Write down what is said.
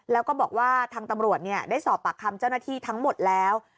แล้วก็บอกว่าทางตำรวจได้สอบปากคำเจ้าหน้าที่ทั้งหมดแล้ว